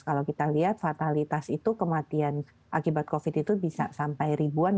kalau kita lihat fatalitas itu kematian akibat covid itu bisa sampai ribuan